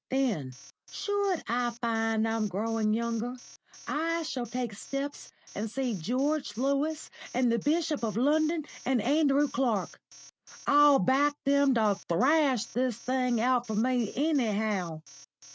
Then, should I find I'm growing younger, I shall take steps and see George Lewis, and the Bishop of London, and Andrew Clark. I'll back them to thrash this thing out for me anyhow.